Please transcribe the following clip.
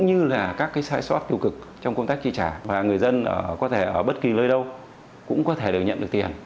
nhiều người dân có thể ở bất kỳ nơi đâu cũng có thể được nhận được tiền